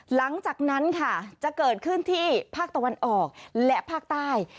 หลังจากนั้นค่ะจะเกิดขึ้นที่ภาคตะวันออกและภาคใต้